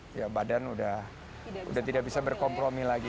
karena badan sudah tidak bisa berkompromi lagi